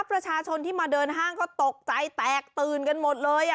ประชาชนที่มาเดินห้างก็ตกใจแตกตื่นกันหมดเลย